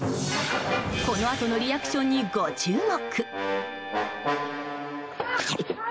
このあとのリアクションにご注目。